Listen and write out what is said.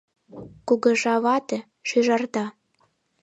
Кугыжа вате — шӱжарда.